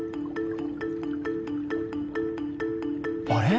あれ？